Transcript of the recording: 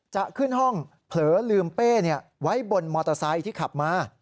จะขึ้นห้องเผลอลืมเป้ไว้บนมอเตอร์ไซค์ที่ขับมา